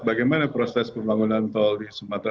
bagaimana proses pembangunan tol di sumatera